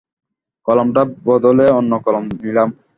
কলামটা বদলে অন্য কলম নিলাম।